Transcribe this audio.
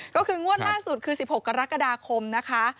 ก็คืองวดล่าสุดคือ๑๖กรกฎาคมนะคะ